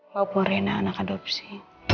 walaupun reina anak adopsi